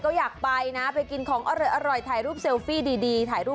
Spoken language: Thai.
จะซื้อไปฝากนักเรียนไหมคะคุณครู